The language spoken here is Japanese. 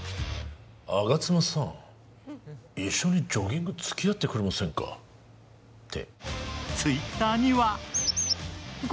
吾妻さん、一緒にジョギング付き合ってくれませんかって。